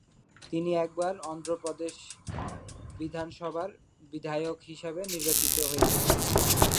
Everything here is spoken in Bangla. তিনি একবার অন্ধ্র প্রদেশ বিধানসভার বিধায়ক হিসেবে নির্বাচিত হয়েছিলেন।